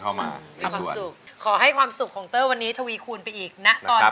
เข้ามาขอให้ความสุขของเต้อวันนี้ทวีคูณไปอีกนะตอน